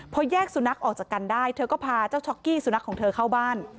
พอแยกสุนัขออกจากกันได้เธอก็พาเจ้าช็อกกี้สุนัขของเธอเข้าบ้าน